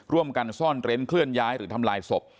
ร่วมกันซ่อนเร้นเคลื่อนย้ายหรือทำลายศพ